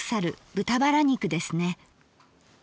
豚バラ肉ですね。